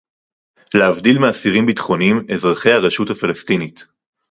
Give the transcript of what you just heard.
להבדיל מאסירים ביטחוניים אזרחי הרשות הפלסטינית